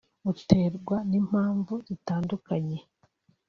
buterwa n’impamvu zitandukanye